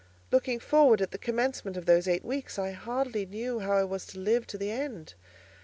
Looking forward at the commencement of those eight weeks, I hardly knew how I was to live to the end.